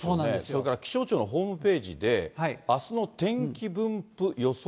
それから気象庁のホームページで、あすの天気分布予想